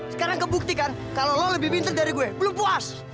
sekarang kebuktikan kalau lo lebih pinter dari gue belum puas